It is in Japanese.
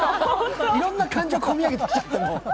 いろんな感情込み上げてきちゃって。